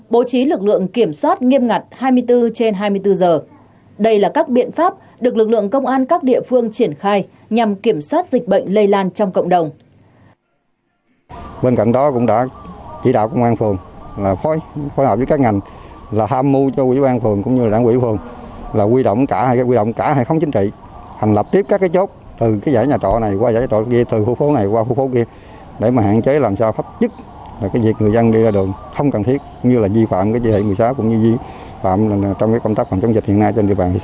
bố trí lực lượng kiểm soát nghiêm ngặt hai mươi bốn trên hai mươi bốn giờ đây là các biện pháp được lực lượng công an các địa phương triển khai nhằm kiểm soát dịch bệnh lây lan trong cộng đồng